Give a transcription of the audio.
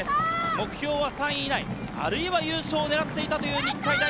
目標は３位以内、あるいは優勝を狙っていたという日体大。